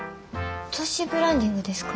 都市ブランディングですか？